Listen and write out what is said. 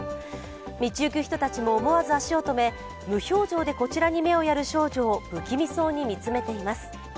道行く人たちも思わず足を止め、無表情でこちらに目をやる少女を不気味そうに見つめています。